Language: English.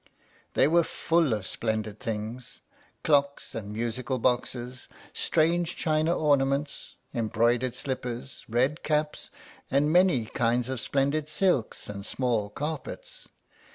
They were full of splendid things, clocks and musical boxes, strange china ornaments, embroidered slippers, red caps, and many kinds of splendid silks and small carpets.